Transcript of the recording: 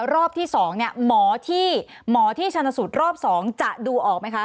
รอบที่สองหมอที่ชนสูตรรอบสองจะดูออกไหมคะ